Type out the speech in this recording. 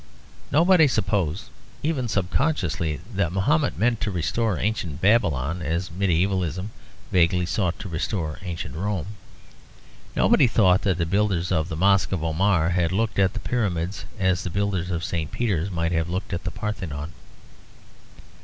Nobody supposed, even subconsciously, that Mahomet meant to restore ancient Babylon as medievalism vaguely sought to restore ancient Rome. Nobody thought that the builders of the Mosque of Omar had looked at the Pyramids as the builders of St. Peter's might have looked at the Parthenon.